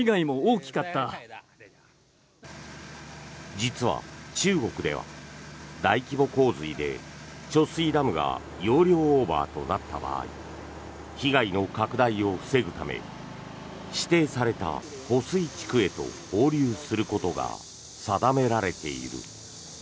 実は、中国では大規模洪水で貯水ダムが容量オーバーとなった場合被害の拡大を防ぐため指定された保水地区へと放流することが定められている。